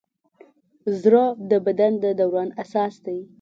زړه د بدن د دوران اساس دی.